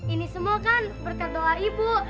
ini semua kan berkat doa ibu